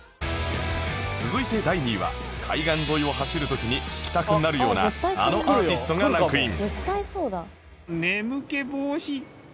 続いて第２位は海岸沿いを走る時に聴きたくなるようなあのアーティストがランクイン